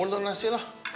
udah nasi lah